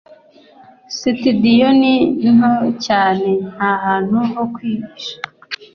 sitidiyo ni nto cyane, ntahantu ho kwihisha.